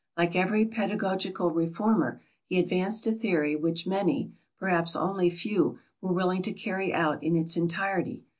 Like every pedagogical reformer, he advanced a theory which many perhaps, only few were willing to carry out in its entirety.